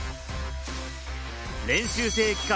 練習生期間